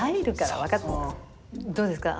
どうですか？